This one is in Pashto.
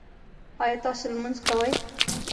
ایا تاسو لمونځ کوئ؟